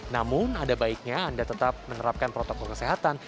namun ada baiknya anda tetap menerapkan protokol kesehatan